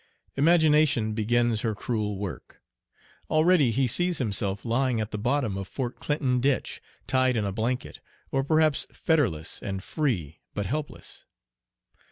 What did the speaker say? Imagination begins her cruel work. Already he sees himself lying at the bottom of Fort Clinton Ditch tied in a blanket, or perhaps fetterless and free, but helpless.